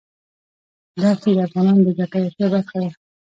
دښتې د افغانانو د ګټورتیا برخه ده.